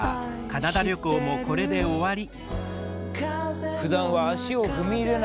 カナダ旅行もこれで終わり。